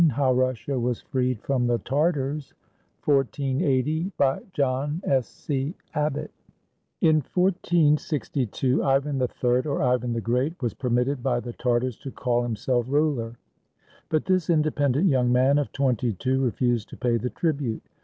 HOW RUSSIA WAS FREED FROM THE TARTARS BY JOHN S. C. ABBOTT [In 1462, Ivan HI, or Ivan the Great, was permitted by the Tartars to call himself ruler. But this independent young man of twenty two refused to pay the tribute.